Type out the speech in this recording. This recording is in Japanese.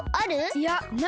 いやない！